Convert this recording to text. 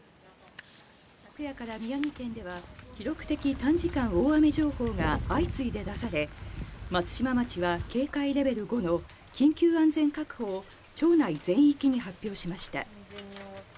昨夜から宮城県では記録的短時間大雨情報が相次いで出され、松島町は警戒レベル５の緊急安全確保を町内全域に発表しました。